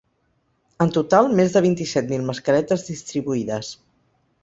En total, més de vint-i-set mil mascaretes distribuïdes.